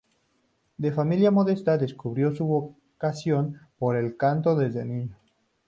De familia modesta, descubrió su vocación por el canto desde niño.